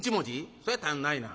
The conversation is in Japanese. そりゃ足んないな。